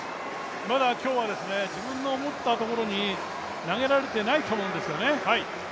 まだ今日は自分の思ったところに投げられてないと思うんですね。